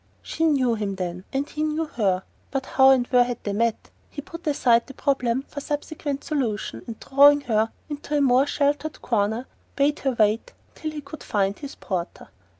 She knew him, then; and he knew her; but how and where had they met? He put aside the problem for subsequent solution, and drawing her into a more sheltered corner, bade her wait till he could find his porter.